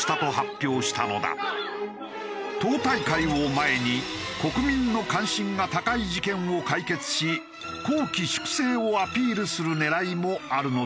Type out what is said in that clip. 党大会を前に国民の関心が高い事件を解決し綱紀粛正をアピールする狙いもあるのだろうか？